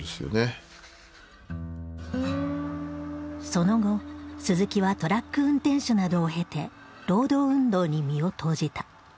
その後鈴木はトラック運転手などを経て労働運動に身を投じた。